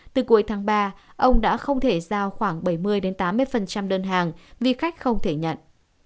từ cuối tháng ba ông đã không thể giao khoảng bảy mươi tám mươi đơn hàng vì khách không thể nhận